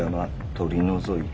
取り除いた」。